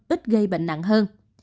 ít gây bệnh nặng hơn